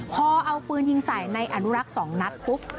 พอเอาปืนยิงใส่ในอนุรักษ์๒นัดปุ๊บ